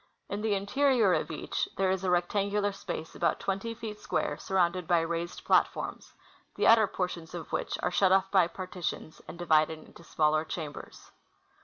In the interior of each there is a rectangular space about twenty feet square sur rounded by raised platforms, the outer portions of which are shut off by partitions and divided into smaller chambers.